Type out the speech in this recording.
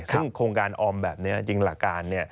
ซึ่งโครงการออมแบบนี้จริงหลักการ